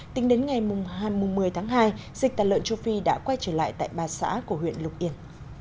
tính đến ngày một mươi tháng hai dịch tà lợn châu phi đã quay trở lại tại ba xã của huyện lục yên